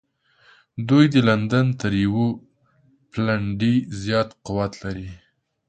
دوی د لندن تر یوه پلنډي زیات قوت لري.